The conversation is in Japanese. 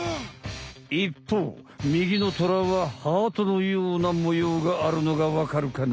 いっぽうみぎのトラはハートのような模様があるのがわかるかな？